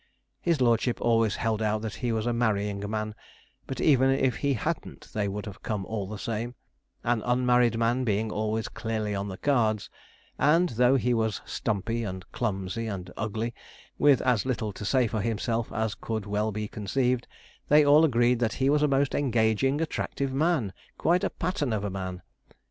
His lordship always held out that he was a marrying man; but even if he hadn't they would have come all the same, an unmarried man being always clearly on the cards; and though he was stumpy, and clumsy, and ugly, with as little to say for himself as could well be conceived, they all agreed that he was a most engaging, attractive man quite a pattern of a man.